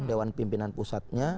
dewan pimpinan pusatnya